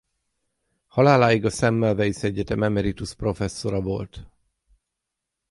Haláláig a Semmelweis Egyetem emeritus professzora volt.